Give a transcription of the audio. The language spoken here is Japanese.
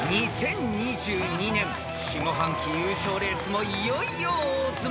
［２０２２年下半期優勝レースもいよいよ大詰め］